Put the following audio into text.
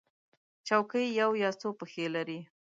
چوکۍ یو یا څو پښې لري.